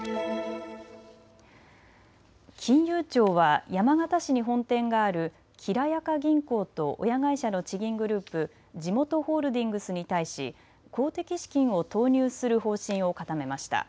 金融庁は山形市に本店があるきらやか銀行と親会社の地銀グループ、じもとホールディングスに対し公的資金を投入する方針を固めました。